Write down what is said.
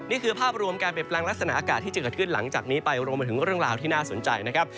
นี่คือภาพรวมการเปลี่ยนแปลงลักษณะอากาศที่จะเกิดขึ้นหลังจากนี้ไปรวมมาถึงเรื่องราวที่น่าสนใจนะครับ